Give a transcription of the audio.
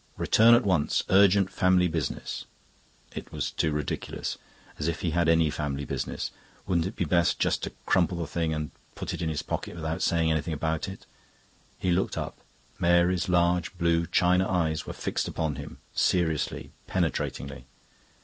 "Return at once. Urgent family business." It was too ridiculous. As if he had any family business! Wouldn't it be best just to crumple the thing up and put it in his pocket without saying anything about it? He looked up; Mary's large blue china eyes were fixed upon him, seriously, penetratingly.